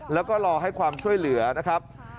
แล้วก็รอให้ความช่วยเหลือนะครับ